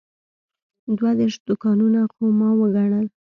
دوه دېرش دوکانونه خو ما وګڼل.